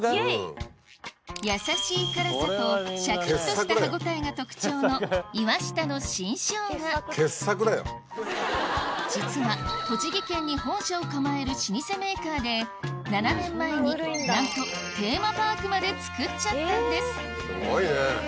やさしい辛さとシャキっとした歯応えが特徴の実は栃木県に本社を構える老舗メーカーで７年前になんとテーマパークまで造っちゃったんですすごいね。